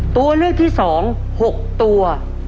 ตัวเลือกที่๒๖ตัว